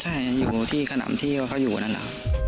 ใช่อยู่ที่ขนำที่ว่าเขาอยู่นั่นน่ะ